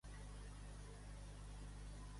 A l'est es troba el Mar Mediterrani.